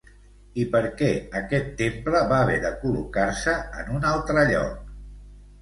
I per què aquest temple va haver de col·locar-se en un altre lloc?